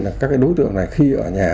là các đối tượng này khi ở nhà